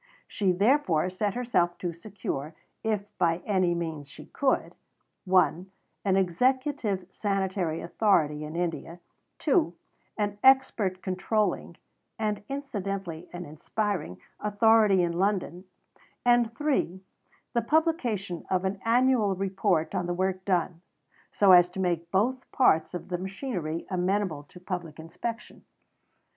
She, therefore, set herself to secure, if by any means she could, (1) an executive sanitary authority in India, (2) an expert controlling (and, incidentally, an inspiring) authority in London, and (3) the publication of an annual report on the work done, so as to make both parts of the machinery amenable to public inspection.